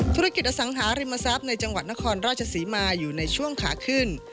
ธุรกิจอสังหาริมทรัพย์ในจังหวัดนครราชศรีมาอยู่ในช่วงขาขึ้น